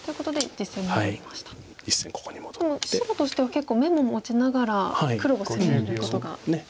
でも白としては結構眼も持ちながら黒を攻めることができそうですか。